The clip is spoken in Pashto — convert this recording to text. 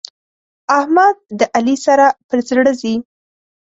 احمد د علي سره پر زړه ځي.